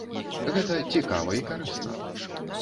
Гэта цікава і карысна.